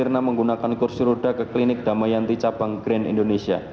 dengan menggunakan kursi ruda ke klinik damayanti capang green indonesia